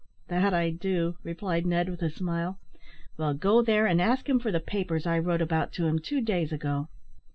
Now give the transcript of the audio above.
"That I do," replied Ned, with a smile. "Well, go there, and ask him for the papers I wrote about to him two days ago.